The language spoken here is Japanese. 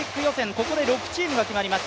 ここで６チームが決まります。